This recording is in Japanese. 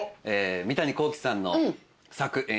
三谷幸喜さんの作・演出